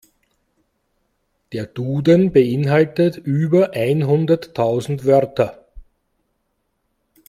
Der Duden beeinhaltet über einhunderttausend Wörter.